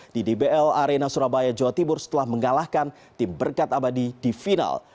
di dbl arena surabaya jawa timur setelah mengalahkan tim berkat abadi di final